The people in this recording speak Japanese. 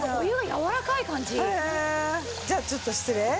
じゃあちょっと失礼。